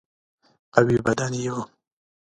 قوي بدن یې وو.